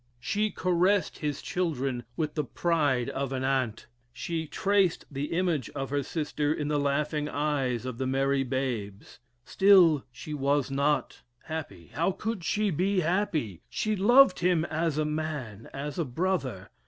She caressed his children with the pride of an aunt, she traced the image of her sister in the laughing eyes of the merry babes still she was not happy. How could she be happy? She loved him as a man as a brother.